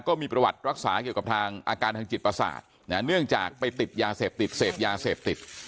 ก็มีประวัติรักษาเกี่ยวกับทางอาการทางจิตประสาทเนื่องจากไปติดยาเสพติดเสพยาเสพติด